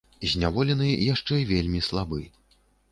Зняволены яшчэ вельмі слабы.